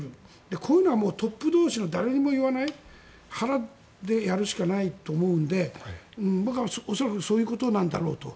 こういうのはトップ同士の誰にも言わない腹でやるしかないと思うので僕は恐らくそういうことだろうと。